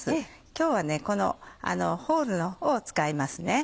今日はこのホールを使いますね。